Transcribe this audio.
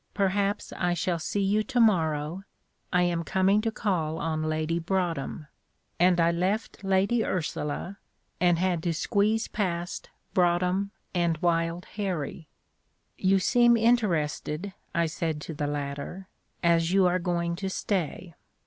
Perhaps I shall see you to morrow; I am coming to call on Lady Broadhem," and I left Lady Ursula, and had to squeeze past Broadhem and Wild Harrie. "You seem interested," I said to the latter, "as you are going to stay."